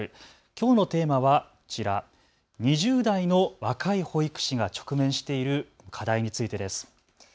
きょうのテーマはこちら、２０代の若い保育士が直面している課題についてです。